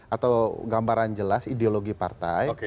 atau gambaran jelas ideologi partai